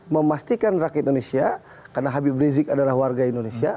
memastikan rakyat indonesia karena habib rizik adalah warga indonesia